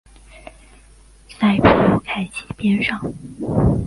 普纳凯基边上。